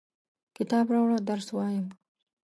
کتاب راوړه ، درس وایم!